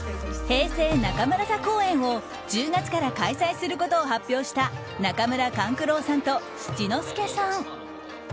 「平成中村座」公演を１０月から開催することを発表した中村勘九郎さんと七之助さん。